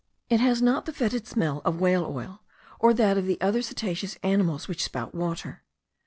It has not the fetid smell of whale oil, or that of the other cetaceous animals which spout water.